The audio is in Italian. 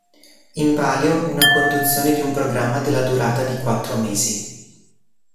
In palio una conduzione di un programma della durata di quattro mesi.